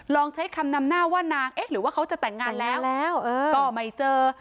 ลองใช้คำนำหน้าว่านางเอ๊ะหรือว่าเขาจะแต่งงานแล้วก็ไม่เจอ